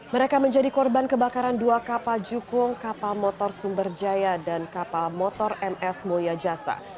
mereka menjadi korban kebakaran dua kapal jukung kapal motor sumberjaya dan kapal motor ms mulya jasa